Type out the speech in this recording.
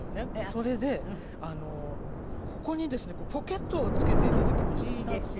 それでここにですねポケットをつけて頂きまして２つ。